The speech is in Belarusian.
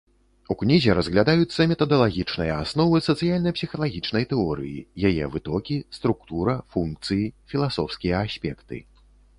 У кнізе разглядаюцца метадалагічныя асновы сацыяльна-псіхалагічнай тэорыі, яе вытокі, структура, функцыі, філасофскія аспекты.